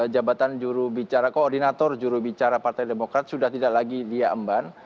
jabatan koordinator jurubicara partai demokrat sudah tidak lagi dia emban